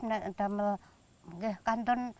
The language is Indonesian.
tidak cukup karena itu